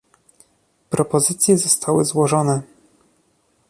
Propozycje zostały złożone